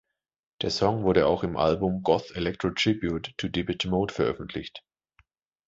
Der Song wurde auch im Album "Goth Electro Tribute to Depeche Mode" veröffentlicht.